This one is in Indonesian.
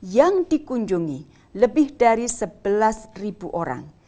yang dikunjungi lebih dari sebelas orang